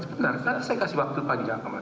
sebentar nanti saya kasih waktu pagi